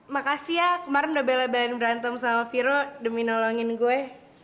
makasih ya kemarin udah bela belend berantem sama viro demi nolongin gue